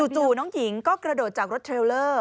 จู่น้องหญิงก็กระโดดใจรถเทลล์เลอร์